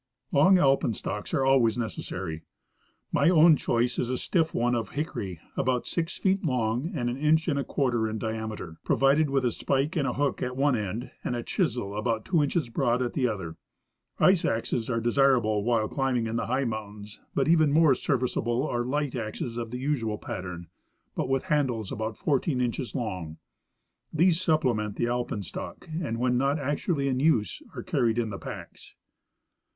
Long alpenstocks are always necessary. My own choice is a stiff one of hickory, about six feet long and an inch and a cpiarter in diameter, provided with a spike and hook at one end and a chisel about tAvo inches broad at the other. Ice axes are desir able while climbing in the high mountains, but even more ser viceable are light axes of the usual i^attern, but with handles about fourteen inches long ; these sujDplement the alpenstock, and when not actually in use are carried in the packs.